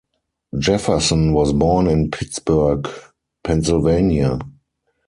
Jefferson was born in Pittsburgh, Pennsylvania.